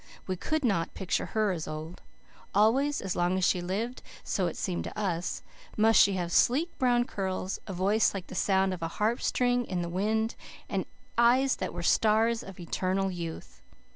We could not picture her as old. Always, as long as she lived, so it seemed to us, must she have sleek brown curls, a voice like the sound of a harpstring in the wind, and eyes that were stars of eternal youth.